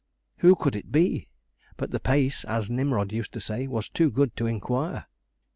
'Who could it be?' But 'the pace,' as Nimrod used to say, 'was too good to inquire.'